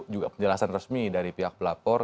juga penjelasan resmi dari pihak pelapor